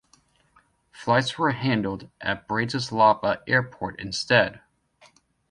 Flights were handled at Bratislava Airport instead.